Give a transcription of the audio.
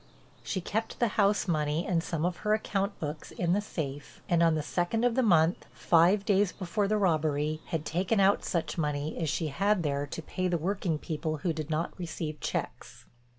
She kept the house money and some of her account books in the safe and on the second of the month—five days before the robbery—had taken out such money as she had there to pay the working people who did not receive checks.